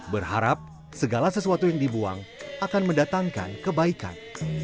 berharap segala sesuatu yang dibuang akan mendatangkan kebaikan